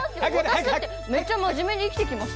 私だってめっちゃ真面目に生きてきましたよ。